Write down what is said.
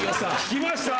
聞きました？